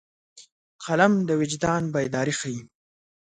قلم د وجدان بیداري ښيي